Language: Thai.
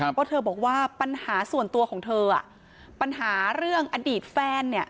เพราะเธอบอกว่าปัญหาส่วนตัวของเธอปัญหาเรื่องอดีตแฟนเนี่ย